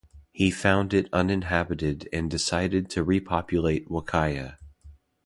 He found it uninhabited and decided to repopulate Wakaya.